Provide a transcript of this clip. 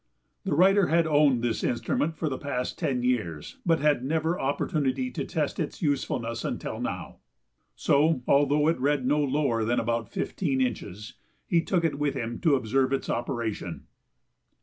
The writer had owned this instrument for the past ten years, but had never opportunity to test its usefulness until now. So, although it read no lower than about fifteen inches, he took it with him to observe its operation.